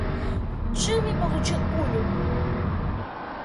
Джимми получил пулю.